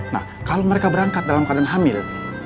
nah kalau mereka berangkat dalam keadaan hamil